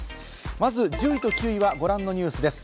まず１０位と９位はご覧のニュースです。